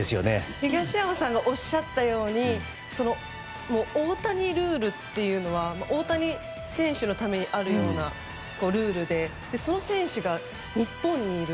東山さんがおっしゃったように大谷ルールっていうのは大谷選手のためにあるようなルールでその選手が日本にいる。